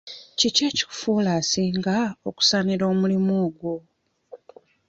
Ki ekikufuula asinga okusaanira omulimu ogwo?